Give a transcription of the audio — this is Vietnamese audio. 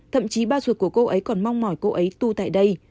thậm chí ba ruột của cô ấy còn mong mỏi cô ấy tu tại đây